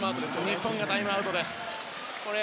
日本がタイムアウト。